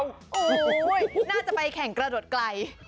โอ้โหน่าจะไปแข่งกระโดดไกล